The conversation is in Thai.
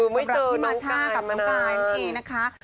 คือไม่เจอน้องกายมานาน